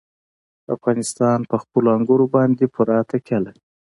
افغانستان په خپلو انګورو باندې پوره تکیه لري.